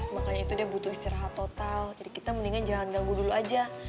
makanya itu dia butuh istirahat total jadi kita mendingan jangan ganggu dulu aja